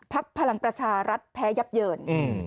ภักดิ์พลังประชารัฐแพ้ยับเยิน